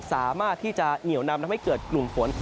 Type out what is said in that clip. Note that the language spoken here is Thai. สามารถที่จะเหนียวนำทำให้เกิดกลุ่มฝน